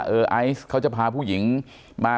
ไอซ์เขาจะพาผู้หญิงมา